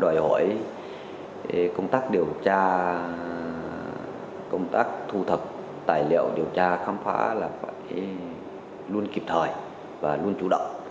đòi hỏi công tác điều tra công tác thu thập tài liệu điều tra khám phá là phải luôn kịp thời và luôn chủ động